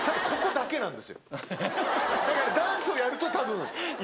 だからダンスをやると多分行かない。